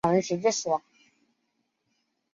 南印度人。